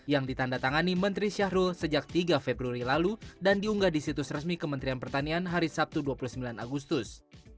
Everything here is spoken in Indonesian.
yang ditanda tangani menteri syahrul sejak tiga februari lalu dan diunggah di situs resmi kementerian pertanian hari sabtu dua puluh sembilan agustus